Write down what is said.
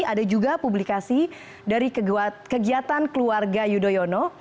ada juga publikasi dari kegiatan keluarga yudhoyono